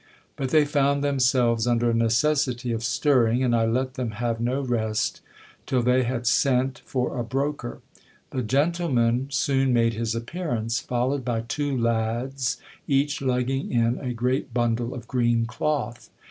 But they found themselves under a necessity of stirring, and I let them have no rest till they had sent for a broker. The gentleman soon made his appearance, followed by two lads, each lugging in a great bundle of green cloth.